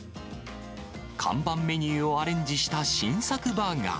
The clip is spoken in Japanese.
看板メニューをアレンジした新作バーガー。